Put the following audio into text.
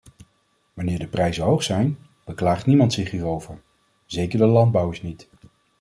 Wanneer de prijzen hoog zijn, beklaagt niemand zich hierover, zeker de landbouwers niet.